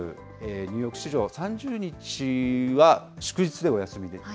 ニューヨーク市場、３０日は祝日でお休みです。